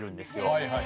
はいはい。